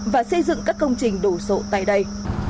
và xây dựng các công trình đổ sổ tại đây